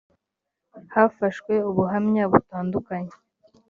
hafashwe ubuhamya butandukanye